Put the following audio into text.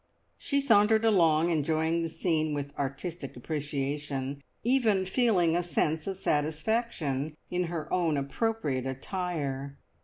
She sauntered along, enjoying the scene with artistic appreciation, even feeling a sense of satisfaction in her own appropriate attire.